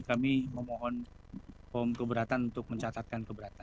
kami memohon pom keberatan untuk mencatatkan keberatan